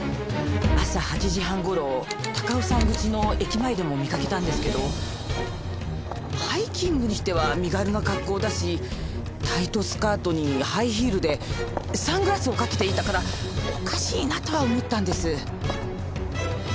朝８時半頃高尾山口の駅前でも見かけたんですけどハイキングにしては身軽な格好だしタイトスカートにハイヒールでサングラスをかけていたからおかしいなとは思ったんです。